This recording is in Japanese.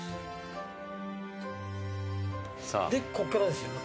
でこっからですよね。